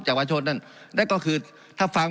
การปรับปรุงทางพื้นฐานสนามบิน